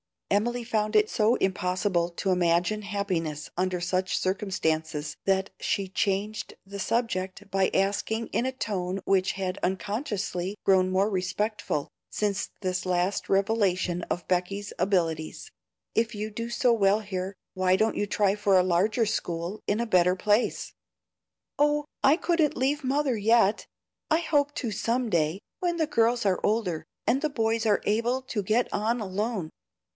Emily found it so impossible to imagine happiness under such circumstances that she changed the subject by asking in a tone which had unconsciously grown more respectful since this last revelation of Becky's abilities, "If you do so well here, why don't you try for a larger school in a better place?" "Oh, I couldn't leave mother yet; I hope to some day, when the girls are older, and the boys able to get on alone.